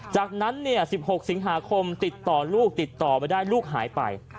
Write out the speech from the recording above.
จากนั้น๑๖สิงหาคมติดต่อลูกติดต่อไม่ได้ลูกหายไป